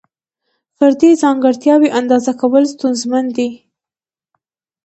فردي ځانګړتیاوې اندازه کول ستونزمن دي.